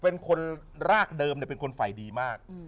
เป็นคนรากเดิมเป็นคนฝ่ายดีมาก